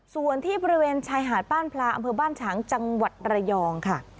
ส่วนที่บริเวณชายหาดบ้านพลาอำเภอบ้านฉางจังหวัดระยองค่ะ